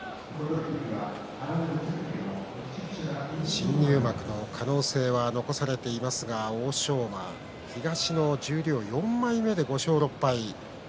新入幕の可能性は残されていますが欧勝馬東の十両４枚目、５勝６敗。